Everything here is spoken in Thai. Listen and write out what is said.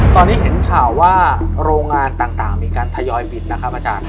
ตอนนี้เห็นข่าวว่าโรงงานต่างมีการทยอยปิดนะครับอาจารย์